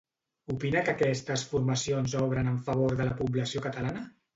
Opina que aquestes formacions obren en favor de la població catalana?